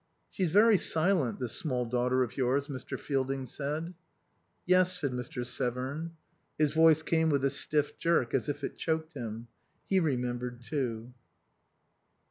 "She's very silent, this small daughter of yours," Mr. Fielding said. "Yes," said Mr. Severn. His voice came with a stiff jerk, as if it choked him. He remembered, too.